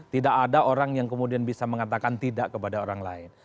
tidak ada orang yang kemudian bisa mengatakan tidak kepada orang lain